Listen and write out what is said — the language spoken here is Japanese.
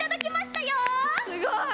すごい！